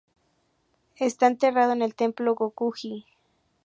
Está enterrado en el templo Gokoku-ji.